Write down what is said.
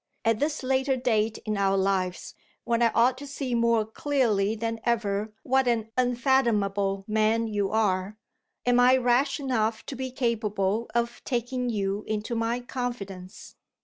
At this later date in our lives, when I ought to see more clearly than ever what an unfathomable man you are, am I rash enough to be capable of taking you into my confidence?